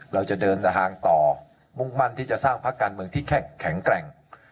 เราจะเดินทางต่อมุ่งมั่นที่จะสร้างพักการเมืองที่แข็งแกร่ง